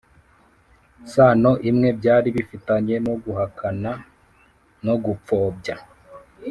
sano n'imwe byari bifitanye no guhakana no gupfobya